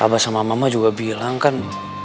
abah sama mama juga bilang kan